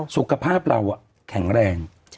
สุขภาพเราแข็งแรง